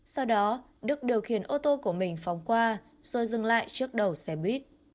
sau đó đức điều khiển ô tô của mình phóng qua rồi dừng lại trước đầu xe buýt